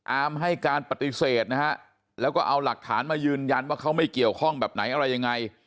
ให้การปฏิเสธนะฮะแล้วก็เอาหลักฐานมายืนยันว่าเขาไม่เกี่ยวข้องแบบไหนอะไรยังไง